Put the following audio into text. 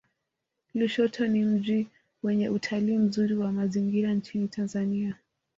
lushoto ni mji wenye utalii mzuri wa mazingira nchini tanzania